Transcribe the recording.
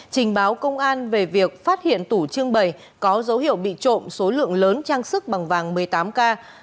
trình báo công an về việc phát hiện tủ trưng bày có dấu hiệu bị trộm số lượng lớn trang sức bằng vàng một mươi tám k